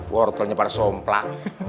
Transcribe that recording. wartelnya pada somplak